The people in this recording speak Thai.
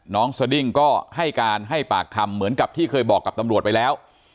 สดิ้งก็ให้การให้ปากคำเหมือนกับที่เคยบอกกับตำรวจไปแล้ว